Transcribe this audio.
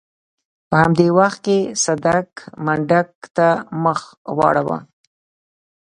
په همدې وخت کې صدک منډک ته مخ واړاوه.